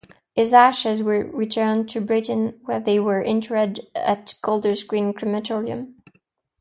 His ashes were returned to Britain where they were interred at Golders Green Crematorium.